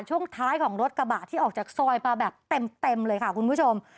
ช่วงท้ายของรถกระบะที่ออกจากซอยมาแบบเต็มเลยค่ะคุณผู้ชม